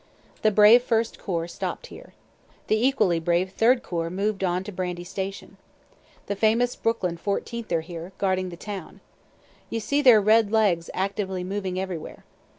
The brave First corps stopt here. The equally brave Third corps moved on to Brandy station. The famous Brooklyn 14th are here, guarding the town. You see their red legs actively moving everywhere.